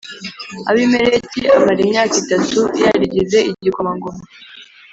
Abimeleki amara imyaka itatu yarigize igikomangoma